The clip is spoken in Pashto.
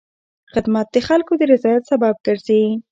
خدمت د خلکو د رضایت سبب ګرځي.